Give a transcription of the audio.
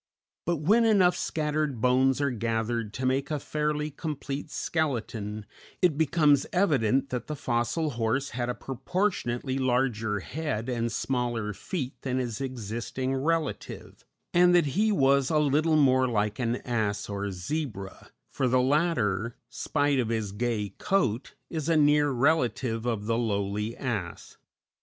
But when enough scattered bones are gathered to make a fairly complete skeleton, it becomes evident that the fossil horse had a proportionately larger head and smaller feet than his existing relative, and that he was a little more like an ass or zebra, for the latter, spite of his gay coat, is a near relative of the lowly ass.